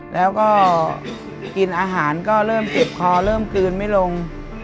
แล้วก็กินอาหารก็เริ่มเจ็บคอเริ่มกลืนไม่ลง